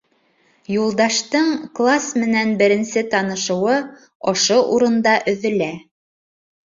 Юлдаштың класс менән беренсе танышыуы ошо урында өҙөлә.